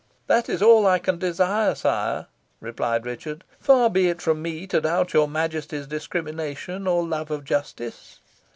"That is all I can desire, sire," replied Richard. "Far be it from me to doubt your majesty's discrimination or love of justice."